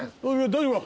大丈夫か？